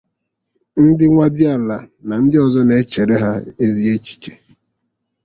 ndị nwadiala na ndị ọzọ na-echere ha ezi echichè